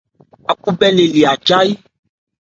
Ákhúbhɛ́lí le li nchwayí.